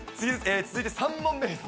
続いて３問目です。